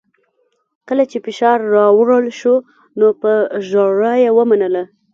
کله چې فشار راوړل شو نو په ژړا یې ومنله